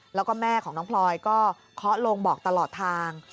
แล้วก็แม่ของน้องพลอยก็เคาะลงบอกตลอดทาง